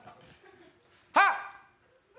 はっ！